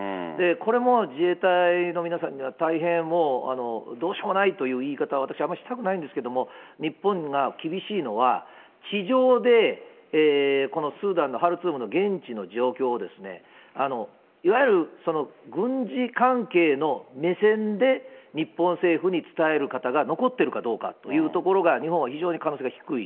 これも自衛隊の皆さんには大変もうどうしようもないという言い方は私はあんまりしたくはないんですけれども、日本が厳しいのは、地上でこのスーダンのハルツームの現地の状況を、いわゆる軍事関係の目線で日本政府に伝える方が残っているかどうかというところが日本は非常に可能性が低い。